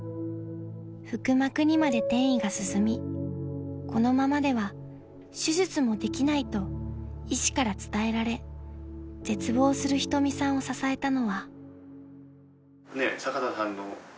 ［腹膜にまで転移が進み「このままでは手術もできない」と医師から伝えられ絶望する仁美さんを支えたのは］